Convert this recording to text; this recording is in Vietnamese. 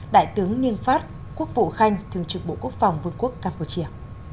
đại tướng nguyễn phát quốc vụ khanh thượng trưởng bộ quốc phòng vương quốc campuchia